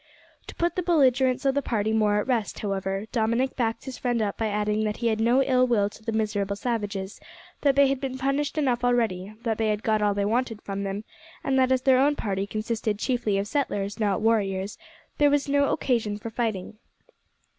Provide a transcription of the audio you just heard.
To put the belligerents of the party more at rest, however, Dominick backed his friend up by adding that he had no ill will to the miserable savages; that they had been punished enough already; that they had got all they wanted from them; and that as their own party consisted chiefly of settlers, not warriors, there was no occasion for fighting.